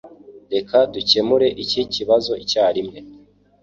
Reka dukemure iki kibazo icyarimwe